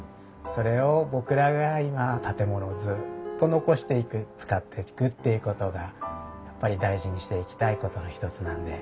それを僕らが今建物をずっと残していく使っていくっていうことがやっぱり大事にしていきたいことの一つなんで。